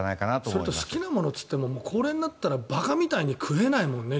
それと好きなものっていっても高齢になったら馬鹿みたいに食えないもんね。